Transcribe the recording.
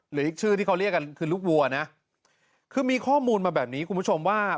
หรืออีกชื่อที่เขาเรียกกันคือลูกวัวนะคือมีข้อมูลมาแบบนี้คุณผู้ชมว่า